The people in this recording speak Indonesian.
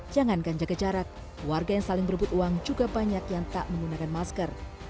jangankan jaga jarak warga yang saling berebut uang juga banyak yang tak menggunakan masker